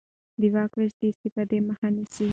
د واک وېش د استبداد مخه نیسي